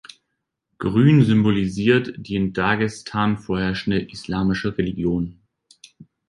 Grün symbolisiert die in Dagestan vorherrschende islamische Religion.